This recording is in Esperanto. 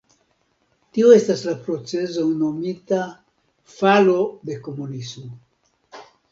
Tio estas la procezo nomita falo de komunismo.